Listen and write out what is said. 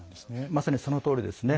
まさに、そのとおりですね。